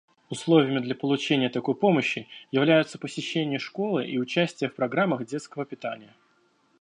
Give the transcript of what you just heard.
Условиями для получения такой помощи являются посещение школы и участие в программах детского питания.